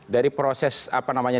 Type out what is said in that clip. dari proses apa namanya